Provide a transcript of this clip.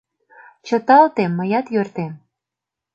— Чыталте, мыят йӧртем.